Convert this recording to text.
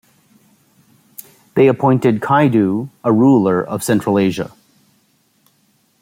They appointed Kaidu a ruler of Central Asia.